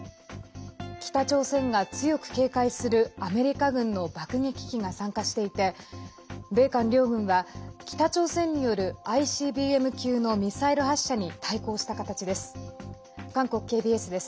北朝鮮が強く警戒するアメリカ軍の爆撃機が参加していて米韓両軍は北朝鮮によるＩＣＢＭ級のミサイル発射に対抗した形です。